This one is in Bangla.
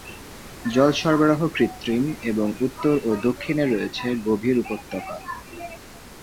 জল সরবরাহ কৃত্রিম, এবং উত্তর ও দক্ষিণে রয়েছে গভীর উপত্যকা।